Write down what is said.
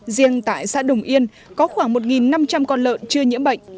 riêng tại xã đồng yên có khoảng một năm trăm linh con lợn chưa nhiễm bệnh